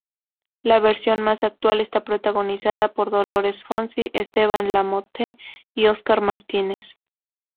La versión más actual está protagonizada por Dolores Fonzi, Esteban Lamothe y Oscar Martínez.